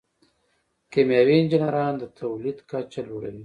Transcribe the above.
کیمیاوي انجینران د تولید کچه لوړوي.